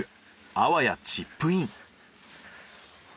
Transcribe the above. あわやチップイン。